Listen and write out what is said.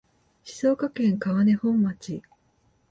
静岡県川根本町